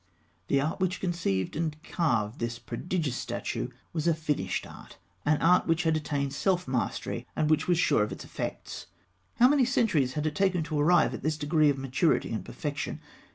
The art which conceived and carved this prodigious statue was a finished art; an art which had attained self mastery, and was sure of its effects. How many centuries had it taken to arrive at this degree of maturity and perfection?